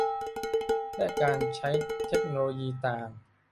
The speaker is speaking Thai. และการใช้เทคโนโลยีต่าง